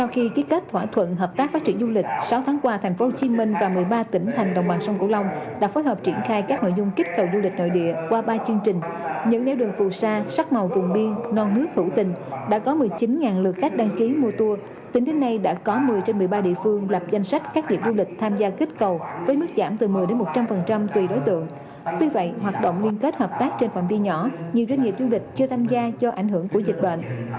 ngày hôm qua ngày bốn tháng bảy lãnh đạo ủy ban nhân dân thành phố hồ chí minh và một mươi ba tỉnh thành đồng bằng sông cổ lông đã sơ kết thỏa thuận hợp tác phát triển du lịch cũng như xác định công tác trọng tâm cho những tháng cuối năm